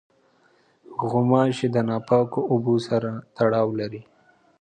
غوماشې د ناپاکو اوبو سره تړاو لري.